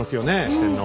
四天王。